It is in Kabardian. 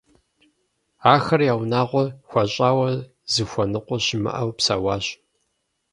Ахэр я унагъуэр хуэщӀауэ, зыхуэныкъуэ щымыӀэу псэуащ.